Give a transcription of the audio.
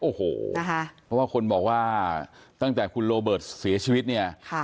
โอ้โหนะคะเพราะว่าคนบอกว่าตั้งแต่คุณโรเบิร์ตเสียชีวิตเนี่ย